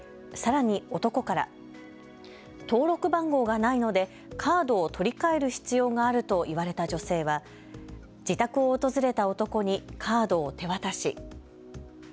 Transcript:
さらに男から登録番号がないのでカードを取り替える必要があると言われた女性は自宅を訪れた男にカードを手渡し。